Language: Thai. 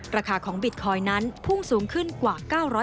ราคาของบิตคอยน์นั้นพุ่งสูงขึ้นกว่า๙๐